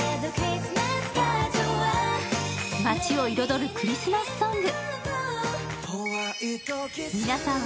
街を彩るクリスマスソング。